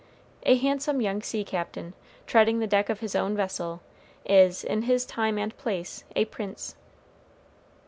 A handsome young sea captain, treading the deck of his own vessel, is, in his time and place, a prince.